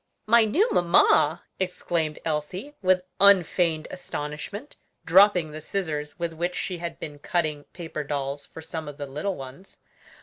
"My new mamma!" exclaimed Elsie, with unfeigned astonishment, dropping the scissors with which she had been cutting paper dolls for some of the little ones.